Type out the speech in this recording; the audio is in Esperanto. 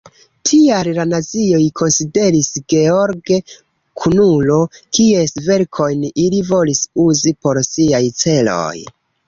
Tial la nazioj konsideris George kunulo, kies verkojn ili volis uzi por siaj celoj.